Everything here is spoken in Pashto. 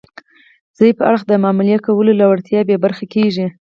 ضعیف اړخ د معاملې کولو له وړتیا بې برخې کیږي